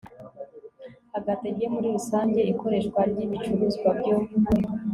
ategeke muri rusange ikoreshwa ry ibicuruzwa byo